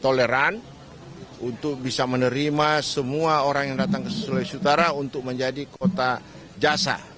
toleran untuk bisa menerima semua orang yang datang ke sulawesi utara untuk menjadi kota jasa